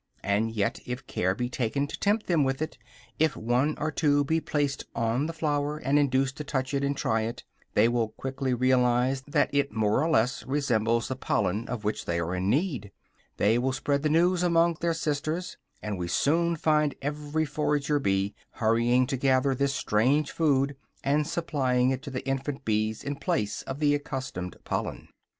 And yet, if care be taken to tempt them with it if one or two be placed on the flour, and induced to touch it and try it, they will quickly realize that it more or less resembles the pollen of which they are in need; they will spread the news among their sisters, and we shall soon find every forager bee hurrying to gather this strange food, and supplying it to the infant bees in place of the accustomed pollen.